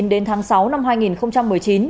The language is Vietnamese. đến tháng sáu năm hai nghìn một mươi chín